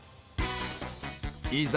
いざ